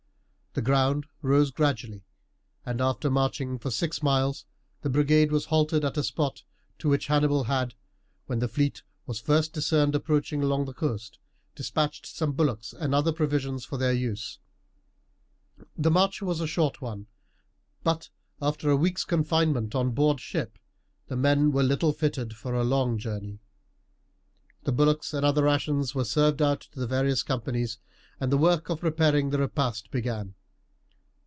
The ground rose gradually, and after marching for six miles the brigade was halted at a spot to which Hannibal had, when the fleet was first discerned approaching along the coast, despatched some bullocks and other provisions for their use. The march was a short one, but after a week's confinement on board ship the men were little fitted for a long journey. The bullocks and other rations were served out to the various companies, and the work of preparing the repast began.